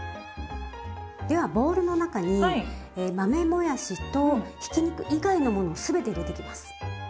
ではボウルの中に豆もやしとひき肉以外のものを全て入れていきます。